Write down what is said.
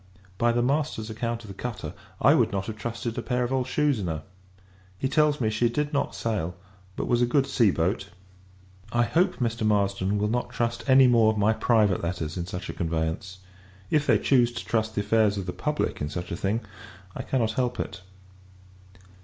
By the master's account of the cutter, I would not have trusted a pair of old shoes in her. He tells me, she did not sail, but was a good sea boat. I hope, Mr. Marsden will not trust any more of my private letters in such a conveyance; if they choose to trust the affairs of the public in such a thing, I cannot help it.